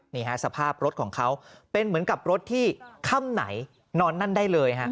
นี่ฮะสภาพรถของเขาเป็นเหมือนกับรถที่ค่ำไหนนอนนั่นได้เลยฮะ